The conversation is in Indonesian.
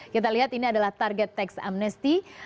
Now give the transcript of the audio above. kita lihat ini adalah target teks amnesty